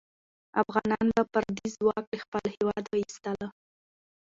افغانان به پردی ځواک له خپل هېواد ایستله.